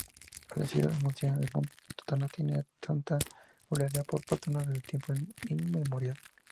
La ciudad murciana de Totana tiene a Santa Eulalia por patrona desde tiempo inmemorial.